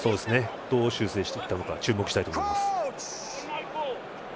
どう修正してきたか注目したいと思います。